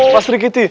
pak sri kiti